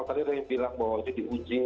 tadi ada yang bilang bahwa ini diuji